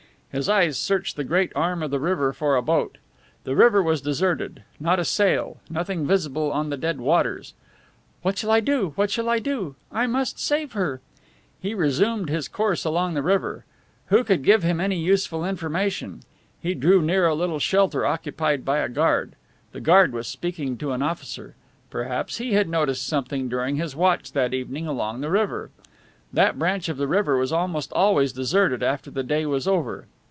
His eyes searched the great arm of the river for a boat. The river was deserted. Not a sail, nothing visible on the dead waters! "What shall I do? What shall I do? I must save her." He resumed his course along the river. Who could give him any useful information? He drew near a little shelter occupied by a guard. The guard was speaking to an officer. Perhaps he had noticed something during his watch that evening along the river. That branch of the river was almost always deserted after the day was over.